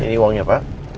ini uangnya pak